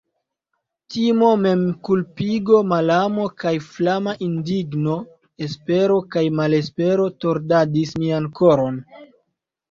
Timo, memkulpigo, malamo, kaj flama indigno, espero kaj malespero tordadis mian koron.